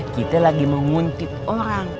kita lagi menguntit orang